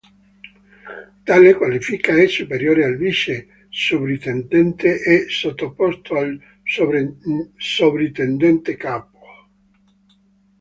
Tale qualifica è superiore al vice sovrintendente e sottoposto al sovrintendente capo.